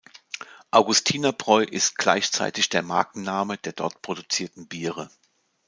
Augustiner-Bräu ist gleichzeitig der Markenname der dort produzierten Biere.